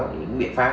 những biện pháp